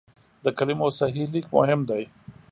د کلمو صحیح لیک مهم دی.